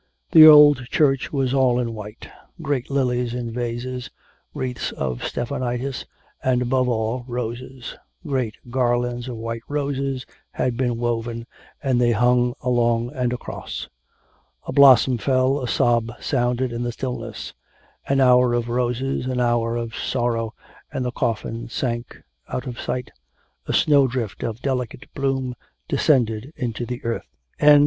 The old church was all in white; great lilies in vases, wreaths of stephanotis; and, above all, roses great garlands of white roses had been woven, and they hung along and across. A blossom fell, a sob sounded in the stillness. An hour of roses, an hour of sorrow, and the coffin sank out of sight, a snow drift of delicate bloom descended into the earth. XVI.